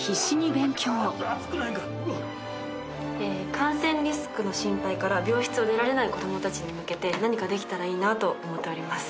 感染リスクの心配から病室を出られない子供たちに向けて何かできたらいいなと思っております。